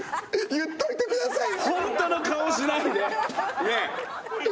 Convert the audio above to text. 言っといてくださいよ。